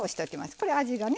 これ味がね